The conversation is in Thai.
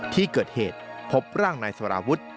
ที่เกิดเหตุพบร่างนายสารวุฒิ